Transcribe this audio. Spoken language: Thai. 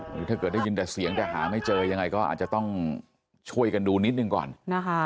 หรือถ้าเกิดได้ยินแต่เสียงแต่หาไม่เจอยังไงก็อาจจะต้องช่วยกันดูนิดหนึ่งก่อนนะคะ